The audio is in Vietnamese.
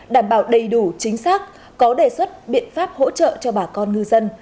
đảm bảo đầy đủ chính xác có đề xuất biện pháp hỗ trợ cho bà con ngư dân